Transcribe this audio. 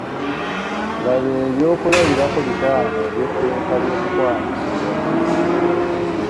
Laga eby'okulabirako bitaano eby’etteeka ly’okukwanyizibwa.